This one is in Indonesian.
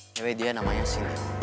cewek dia namanya sini